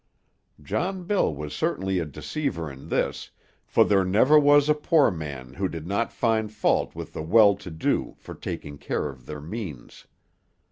John Bill was certainly a deceiver in this, for there never was a poor man who did not find fault with the well to do for taking care of their means.